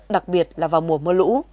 đặc biệt là vào mùa mưa lũ